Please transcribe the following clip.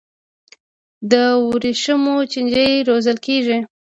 د ورېښمو چینجي روزل کیږي؟